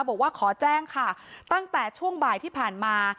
บอกว่าขอแจ้งค่ะตั้งแต่ช่วงบ่ายที่ผ่านมา